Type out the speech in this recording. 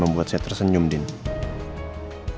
kehendak peculiar english